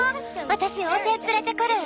私妖精連れてくる。